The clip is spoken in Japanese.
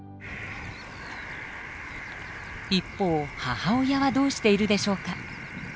一方母親はどうしているでしょうか？